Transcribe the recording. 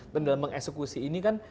dan dalam mengeksekusi ini kan